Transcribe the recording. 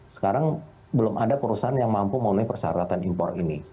sekarang belum ada perusahaan yang mampu memenuhi persyaratan impor ini